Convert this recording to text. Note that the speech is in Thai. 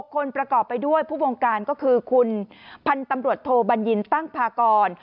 คนประกอบไปด้วยผู้บงการก็คือคุณพันธุ์ตำรวจโทบัญญินตั้งพากร